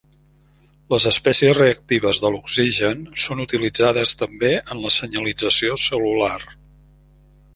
Les espècies reactives de l'oxigen són utilitzades també en la senyalització cel·lular.